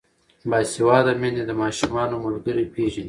باسواده میندې د ماشومانو ملګري پیژني.